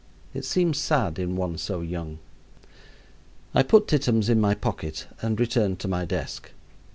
It seems sad in one so young. I put Tittums in my pocket and returned to my desk.